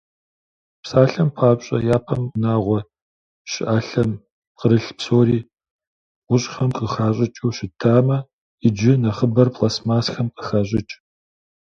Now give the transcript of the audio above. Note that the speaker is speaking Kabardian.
Псалъэм папщӀэ, япэм унагъуэ щӀыӀалъэм пкърылъ псори гъущӀхэм къыхащӀыкӀыу щытамэ, иджы нэхъыбэр пластмассэхэм къыхащӀыкӀ.